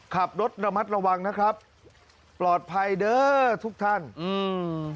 ขับรถระมัดระวังนะครับปลอดภัยเด้อทุกท่านอืม